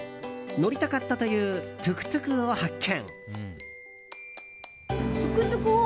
乗りたかったというトゥクトゥクを発見。